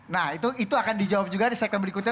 nah itu akan dijawab juga di segmen berikutnya